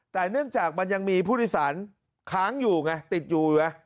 แต่เนื่องจากมันยังมีผู้โดยสารค้างอยู่ไงติดอยู่ไง